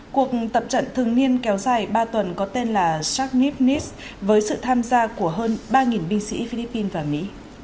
cuộc tập trận thường niên kéo dài ba tuần có tên là shagnip niss với sự tham gia của hơn ba binh sĩ philippines và mỹ